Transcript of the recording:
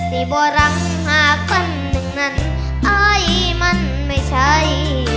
ดีสิบ่อรักหากวันนึงนั้นอ้ายมันไม่ใช่